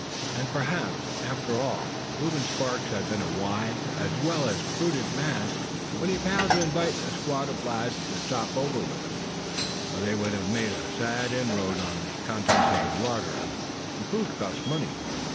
And perhaps, after all, Reuben Sparks had been a wise as well as prudent man when he failed to invite this squad of lads to stop over with him; for they would have made a sad inroad on the contents of his larder; and food costs money.